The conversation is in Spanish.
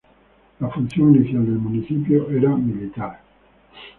La función inicial del municipio fue militar.